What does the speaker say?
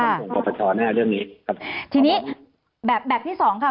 แล้วก็ต้องขอปรับสรรค์แน่เรื่องนี้ครับทีนี้แบบแบบที่สองค่ะ